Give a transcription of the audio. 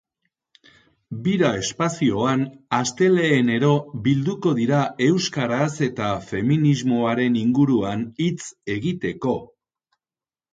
Bira espazioan astelehenero bilduko dira euskaraz eta feminismoaren inguruan hitz egiteko.